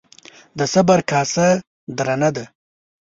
ـ د صبر کاسه درنه ده.